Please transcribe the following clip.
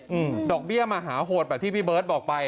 อืมดอกเบี้ยมหาโหดแบบที่พี่เบิร์ตบอกไป